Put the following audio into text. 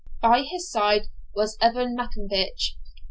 By his side was Evan Maccombich.